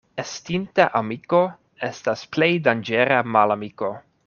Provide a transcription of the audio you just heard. Estinta amiko estas plej danĝera malamiko.